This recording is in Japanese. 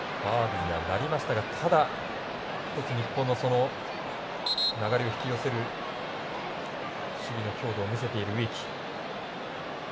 ファウルにはなりましたがただ一つ日本の流れを引き寄せる守備の強度を見せている、植木。